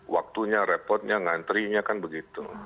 waktunya repotnya ngantrinya kan begitu